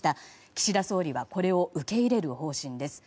岸田総理はこれを受け入れる方針です。